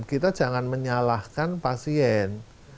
kita jangan menyalahkan pasien